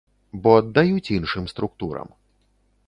Бо аддаюць іншым структурам.